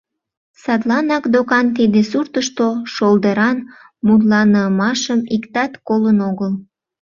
Садланак докан тиде суртышто шолдыран мутланымашым иктат колын огыл.